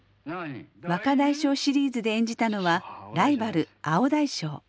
若大将シリーズで演じたのはライバル青大将。